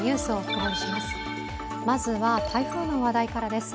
まずは台風の話題からです。